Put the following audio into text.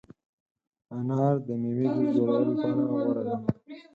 انار د مېوې جوس جوړولو لپاره غوره دی.